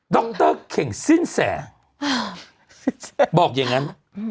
รเข่งสิ้นแสบอกอย่างนั้น